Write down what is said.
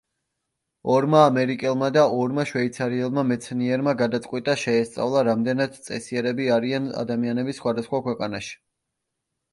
ორმა ამერიკელმა და ორმა შვეიცარიელმა მეცნიერმა, გადაწყვიტა შეესწავლა, რამდენად წესიერები არიან ადამიანები სხვადასხვა ქვეყანაში.